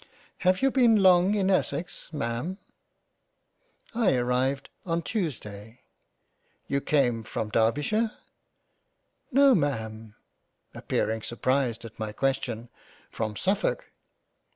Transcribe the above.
" Have you been long in Essex Ma'am ?"" I arrived on Tuesday." " You came from Derbyshire ?"" No, Ma'am ! appearing surprised at my question, from Suffolk."